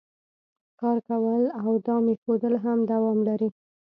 ښکار کول او دام ایښودل هم دوام لري